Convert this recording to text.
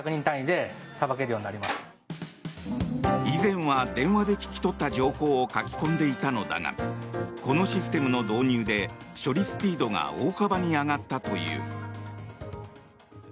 以前は電話で聞き取った情報を書き込んでいたのだがこのシステムの導入で処理スピードが大幅に上がったという。